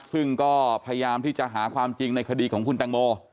ซึ่งก็พยายามที่จะหาความจริงในคดีของคุณแตงโม